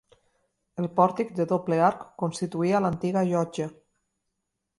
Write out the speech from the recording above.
El pòrtic, de doble arc, constituïa l'antiga llotja.